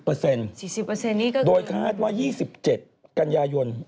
๔๐เปอร์เซ็นต์นี่ก็คือโดยคาดว่า๒๗กัญญายน